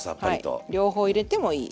はい両方入れてもいい。